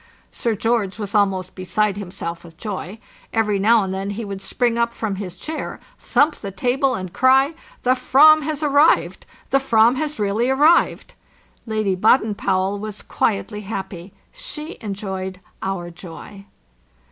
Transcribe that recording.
Sir George was almost beside himself with joy. Every now and then he would spring up from his chair, thump the table, and cry, "The fram has arrived! The Fran has really arrived!" Lady Baden Powell was quietly happy; she enjoyed our joy.